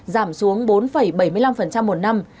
giảm xuống bốn bảy mươi năm một năm